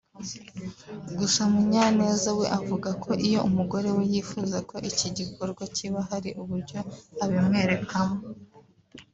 Gusa Munyaneza we avuga ko iyo umugore we yifuza ko iki gikorwa kiba hari uburyo abimwerekamo